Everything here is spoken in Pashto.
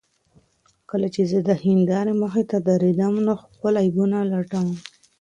کله چې زه د هندارې مخې ته درېږم نو خپل عیبونه لټوم.